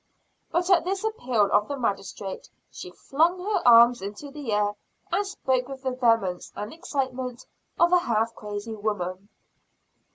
But at this appeal of the Magistrate, she flung her arms into the air, and spoke with the vehemence and excitement of a half crazy woman.